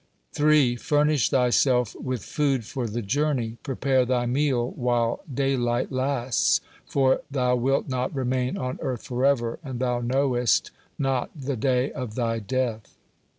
3. Furnish thyself with food for the journey, prepare thy meal while daylight lasts, for thou wilt not remain on earth forever, and thou knowest not the day of thy death.